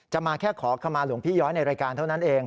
มาแค่ขอขมาหลวงพี่ย้อยในรายการเท่านั้นเอง